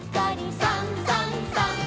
「さんさんさん」